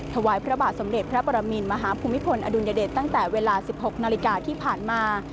ถวายพระบาทสมเด็จพระปรมินมหาภูมิพลอดุลยเดชตั้งแต่เวลา๑๖นาฬิกาที่ผ่านมา